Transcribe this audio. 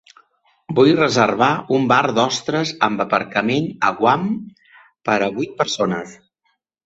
Vull reservar un bar d'ostres amb aparcament a Guam per a vuit persones.